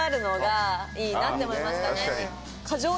なって思いましたね。